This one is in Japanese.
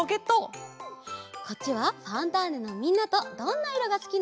こっちは「ファンターネ！」のみんなと「どんな色がすき」のえ。